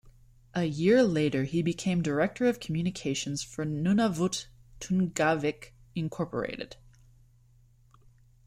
A year later, he became director of communications for Nunavut Tunngavik Incorporated.